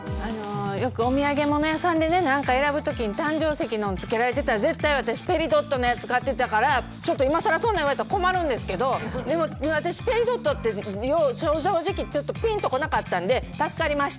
よくお土産物屋さんで何か選ぶ時に誕生石のをつけられてたら絶対、私ペリドットのやつ買ってたから今更そんなん言われたら困るんですけどでも私、ペリドットって正直ピンと来なかったので助かりました。